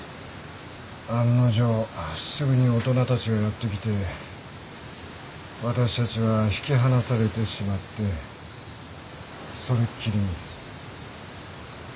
案の定すぐに大人たちが寄ってきて私たちは引き離されてしまってそれっきりに。